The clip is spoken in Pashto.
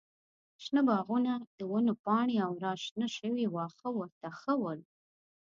شنه باغونه، د ونو پاڼې او راشنه شوي واښه ورته ښه ول.